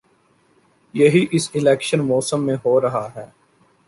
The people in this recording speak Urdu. یہی اس الیکشن موسم میں ہو رہا ہے۔